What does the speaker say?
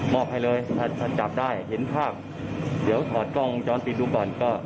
อบให้เลยถ้าจับได้เห็นภาพเดี๋ยวถอดกล้องวงจรปิดดูก่อนก็